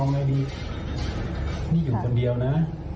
ไม่อยู่คนเดียวนะ